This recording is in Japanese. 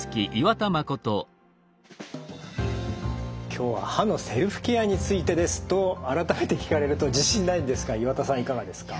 今日は歯のセルフケアについてです。と改めて聞かれると自信ないんですが岩田さんいかがですか？